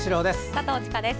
佐藤千佳です。